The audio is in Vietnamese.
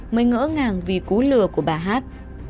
mới ngỡ ngàng vì cú lừa của bà hát